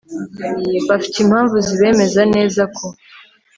Bafite Impamvu Zibemeza Nezako